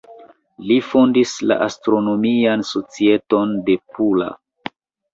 Li fondis la Astronomian Societon de Pula.